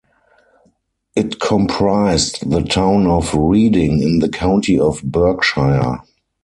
It comprised the town of Reading in the county of Berkshire.